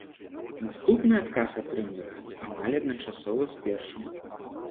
Наступны адказ атрымліваем амаль адначасова з першым.